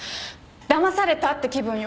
だまされたって気分よ。